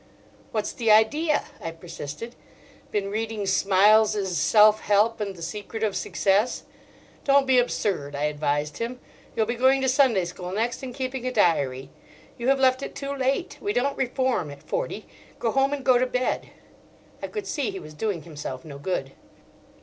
"What's the idea?" I persisted. "Been reading Smiles's 'Self Help and the Secret of Success'? Don't be absurd," I advised him. "You'll be going to Sunday school next and keeping a diary. You have left it too late: we don't reform at forty. Go home and go to bed." I could see he was doing himself no good.